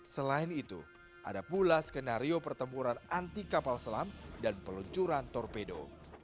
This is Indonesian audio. selain itu ada pula skenario pertempuran anti kapal selam dan peluncuran torpedo